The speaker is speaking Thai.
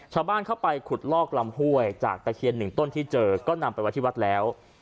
ชาวบ้านเข้าไปขุดลอกลำห้วยจากตะเคียนหนึ่งต้นที่เจอก็นำไปไว้ที่วัดแล้ว